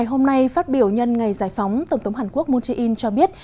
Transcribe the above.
hôm nay phát biểu nhân ngày giải phóng tổng thống hàn quốc moon jae in cho biết